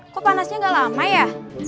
kok panasnya gak lama ya